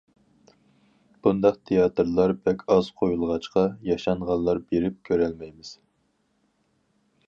بۇنداق تىياتىرلار بەك ئاز قويۇلغاچقا، ياشانغانلار بېرىپ كۆرەلمەيمىز.